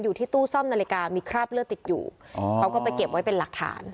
อยู่ที่ตู้ซ่อมนาฬิกามีคราบเลือดติดอยู่เขาก็ไปเก็บไว้เป็นหลักฐาน